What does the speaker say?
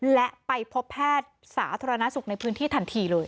และไปพบแพทย์สาธารณสุขในพื้นที่ทันทีเลย